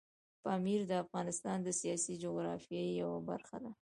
پامیر د افغانستان د سیاسي جغرافیې یوه برخه ده.